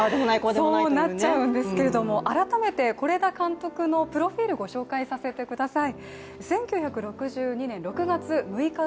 そうなっちゃうんですけれども改めて是枝監督のプロフィール、ご紹介させてください。